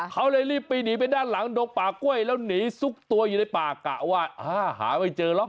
เขาเลยรีบไปหนีไปด้านหลังดงป่ากล้วยแล้วหนีซุกตัวอยู่ในป่ากะว่าหาไม่เจอหรอก